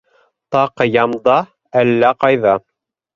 Таҡыям да әллә ҡайҙа...